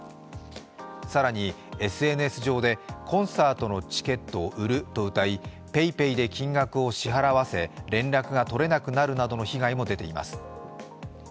更にＳＮＳ上で、コンサートのチケットを売るとうたいＰａｙＰａｙで金額を支払わせ連絡が取れなくなるなどの被害も出ています。